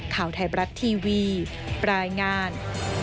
ข่าวไทยบรัฐทีวีรายงาน